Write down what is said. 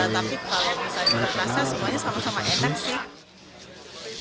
tapi kalau misalnya rasa semuanya sama sama enak sih